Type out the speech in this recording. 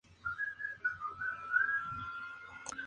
Jugó todas las posiciones, con la excepción del jardín central.